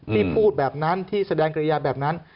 ที่พูดแบบนั้นที่แสดงกิริยาแบบนั้น